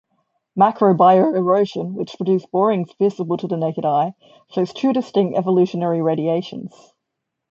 Macrobioerosion, which produces borings visible to the naked eye, shows two distinct evolutionary radiations.